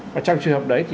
và trong trường hợp đấy